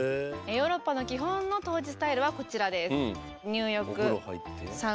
ヨーロッパの基本の湯治スタイルはこちらです。